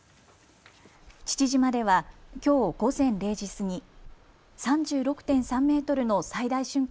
父島ではきょう午前０時過ぎ、３６．３メートルの最大瞬間